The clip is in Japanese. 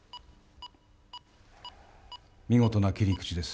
見事な切り口です